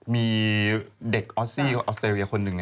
มีเด็กออสซี่ออสเตรเลียคนหนึ่ง